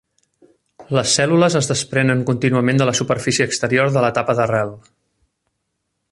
Les cèl·lules es desprenen contínuament de la superfície exterior de la tapa d'arrel.